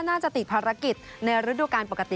น่าจะติดภารกิจในฤดูการปกติ